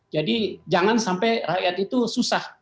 jadi jangan sampai rakyat itu susah